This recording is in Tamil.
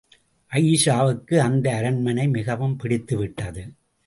அயீஷாவுக்கு அந்த அரண்மனை மிகவும் பிடித்துவிட்டது.